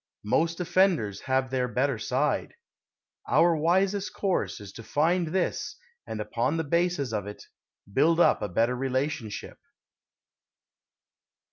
Most offenders have their better side. Our wisest course is to find this and upon the basis of it build up a better relationship.